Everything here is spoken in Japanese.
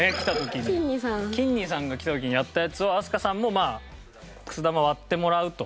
きんにさんが来た時にやったやつを飛鳥さんもまあくす玉を割ってもらうと。